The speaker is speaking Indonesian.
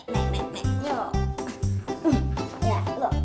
naik naik naik naik